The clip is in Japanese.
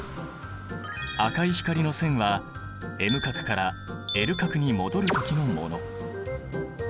赤い光の線はＭ殻からＬ殻に戻る時のもの。